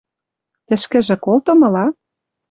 Тӹшкӹжӹ колтымла?..